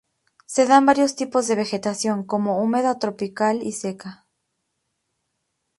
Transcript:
Se dan varios tipos de vegetación, como húmeda tropical y seca.